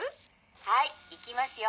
はいいきますよ。